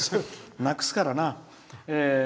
なくすからな。